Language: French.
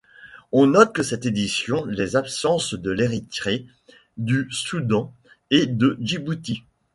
On note pour cette édition les absences de l'Érythrée, du Soudan et de Djibouti.